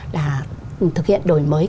là thực hiện đổi mới